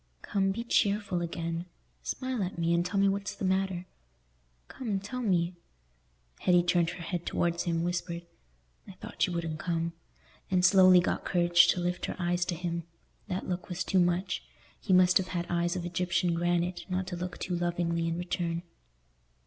"Come, be cheerful again. Smile at me, and tell me what's the matter. Come, tell me." Hetty turned her head towards him, whispered, "I thought you wouldn't come," and slowly got courage to lift her eyes to him. That look was too much: he must have had eyes of Egyptian granite not to look too lovingly in return.